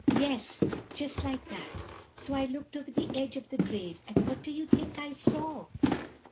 "Yes, just like that! So I looked over the edge of the grave, and what do you think I saw?"